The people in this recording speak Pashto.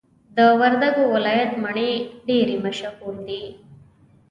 د وردګو ولایت مڼي ډیري مشهور دي.